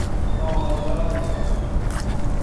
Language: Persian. بالا داد